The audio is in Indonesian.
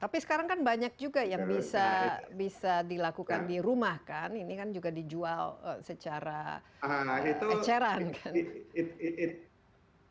tapi sekarang kan banyak juga yang bisa dilakukan di rumah kan ini kan juga dijual secara eceran kan